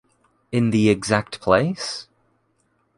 In the exact place?